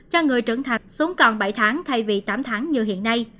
cho người trở thành sống còn bảy tháng thay vì tám tháng như hiện nay